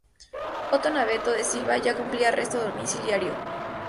Othon Abeto de Silva ya cumplía arresto domiciliario.